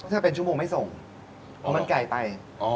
ถ้าเป็นชั่วโมงไม่ส่งมันไกลไป